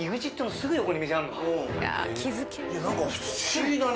何か不思議だね。